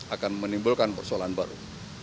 akan menimbulkan persoalan baru